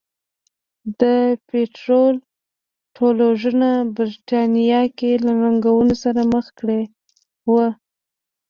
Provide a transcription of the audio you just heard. د پیټرلو ټولوژنه برېټانیا یې له ننګونو سره مخ کړې وه.